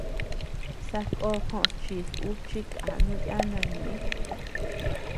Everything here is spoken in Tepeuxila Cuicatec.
Sakó kos chis ú chi kànu yana ñeʼe.